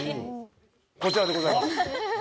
こちらでございます。